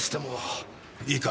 いいか。